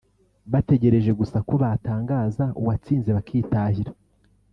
bategereje gusa ko batangaza uwatsinze bakitahira